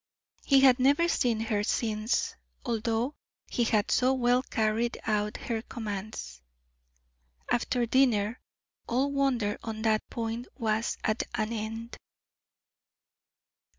He had never seen her since, although he had so well carried out her commands. After dinner all wonder on that point was at an end.